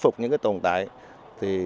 phục những tồn tại